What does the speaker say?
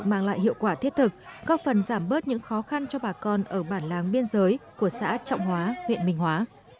mang lại hiệu quả thiết thực góp phần giảm bớt những khó khăn cho bà con ở bản láng biên giới của xã trọng hóa huyện minh hóa